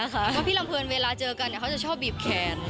เพราะพี่ลำเพลินเวลาเจอกันเขาจะชอบบีบแขน